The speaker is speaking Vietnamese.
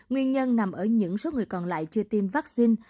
nguyên nhân nằm ở những số người còn lại chưa tiêm vắc xin